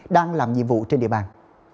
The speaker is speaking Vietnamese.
đang làm nhiệm vụ trên địa bàn